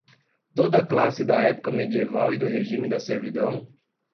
toda classe da época medieval e do regime da servidão